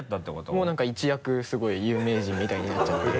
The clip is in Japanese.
もう何か一躍すごい有名人みたいになっちゃって。